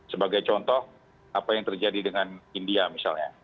sebagai contoh apa yang terjadi dengan india misalnya